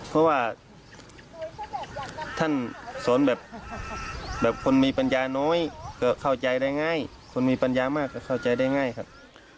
เพราะว่าท่านสอนแบบคนมีปัญญาน้อยก็เข้าใจได้ง่ายคนมีปัญญามากก็เข้าใจได้ง่ายครับ